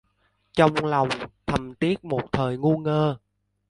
Trong lòng thầm tiếc một thời ngu ngơ